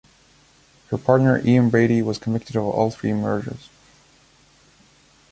Her partner Ian Brady was convicted of all three murders.